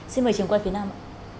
xin mời trường quay phía nam ạ